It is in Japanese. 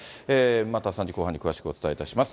また、３時後半に詳しくお伝えいたします。